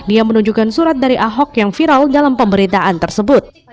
dia menunjukkan surat dari ahok yang viral dalam pemberitaan tersebut